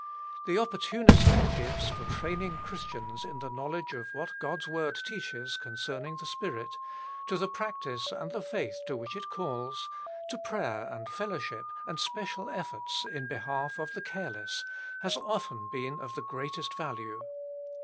The oppor tunity it gives for training Christians in the knowledge of what God s Word teaches con cerning the Spirit, to the practice and the faith to which it calls, to prayer and fellowship and special efforts in behalf of the careless, has often been of the greatest value.